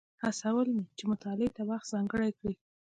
هڅول مې چې مطالعې ته وخت ځانګړی کړي.